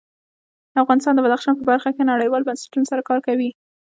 افغانستان د بدخشان په برخه کې نړیوالو بنسټونو سره کار کوي.